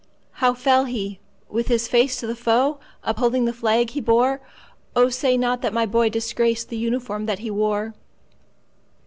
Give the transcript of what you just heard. "How fell he,—with his face to the foe, Upholding the flag he bore? Oh, say not that my boy disgracedThe uniform that he wore!"